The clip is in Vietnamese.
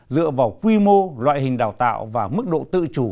dựa vào quy mô loại hình đào tạo và mức độ tự chủ